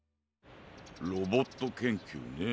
ロボットけんきゅうねえ。